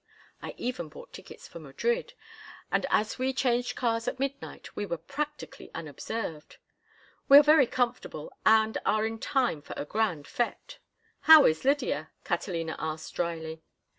I even bought tickets for Madrid, and as we changed cars at midnight we were practically unobserved. We are very comfortable, and are in time for a grand fête." "How is Lydia?" Catalina asked, dryly.